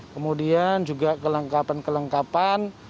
kemudian juga kelengkapan kelengkapan